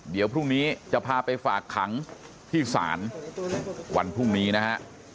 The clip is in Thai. เดี๋ยวพรุ่งนี้จะพาไปฝากขังที่ศาลวันพรุ่งนี้นะฮะ